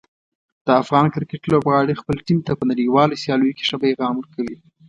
د افغان کرکټ لوبغاړي خپل ټیم ته په نړیوالو سیالیو کې ښه پیغام ورکوي.